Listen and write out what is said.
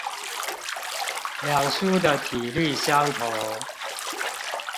兩書的體例相同